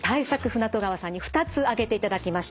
船渡川さんに２つ挙げていただきました。